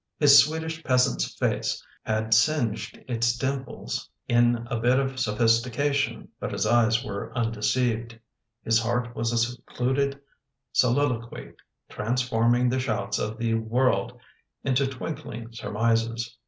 His Swedish peasant's face had singed its dimples in a bit of sophistication but his eyes were undeceived. His heart was a secluded soliloquy transforming the shouts of the world into tinkling surmises.